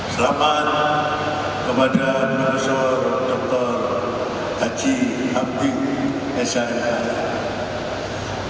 selamat kembali kepada profesor dr haji hamdi esayah